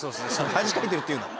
恥かいてるって言うな。